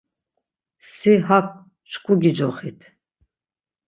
Si hak çku gicoxit!